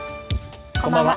こんばんは。